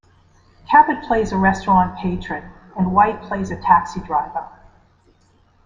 Cabot plays a restaurant patron and White plays a taxi driver.